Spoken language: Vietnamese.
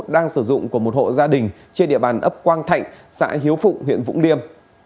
đang sử dụng của một hộ gia đình trên địa bàn ấp quang thạnh xã hiếu phụng huyện vũng liêm